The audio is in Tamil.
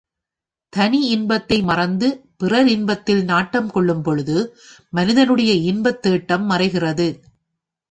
தனி இன்பத்தை மறந்து பிறர் இன்பத்தில் நாட்டங் கொள்ளும்பொழுது, மனிதனுடைய இன்பத் தேட்டம் மறைகிறது.